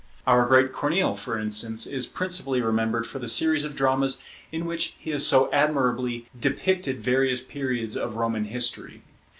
Our great Corneille, for instance, is principally remembered for the series of dramas in which he has so admirably depicted various periods of Roman history.